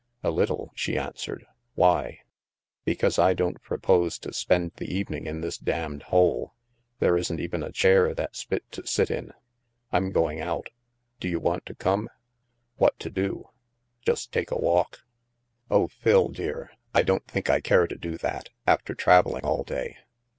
'' A Uttle," she answered. " Why ?''" Because I don't propose to spend the evening in this damned hole. There isn't even a chair that's fit to sit in. I'm going out. Eto you want to come? "What to do?" *' Just take a walk.' Oh, Phil, dear, I don't think I care to do that, after traveling all day."